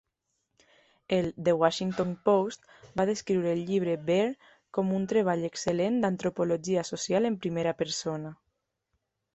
El "The Washington Post" va descriure el llibre "Bare" com "un treball excel·lent d'antropologia social en primera persona".